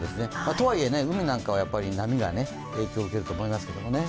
とはいえ、海なんかは波が影響を受けると思いますけどね。